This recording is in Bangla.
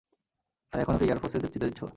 আর এখন ওকে এয়ারফোর্স এ যেতে দিচ্ছ?